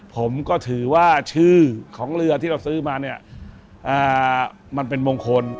ผมก็ถือว่าชื่อของเรือที่เราซื้อมาเนี่ยมันเป็นมงคล